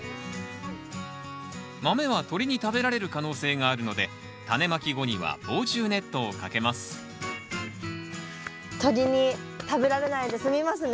豆は鳥に食べられる可能性があるのでタネまき後には防虫ネットをかけます鳥に食べられないで済みますね。